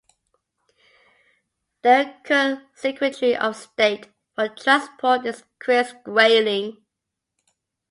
The current Secretary of State for Transport is Chris Grayling.